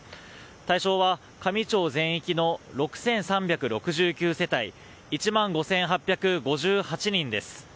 対象は香美町全域の６３６９世帯１万５８５８人です。